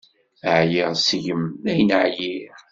Ɛyiɣ seg-m, dayen ɛyiɣ.